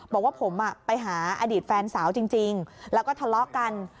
บอกว่าผมไปหาอดีตแฟนสาวจริงแล้วก็ทะเลาะกัน